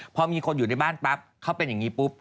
พอมีคนอยู่ในบ้านปั๊บเขาเป็นอย่างนี้ปุ๊บ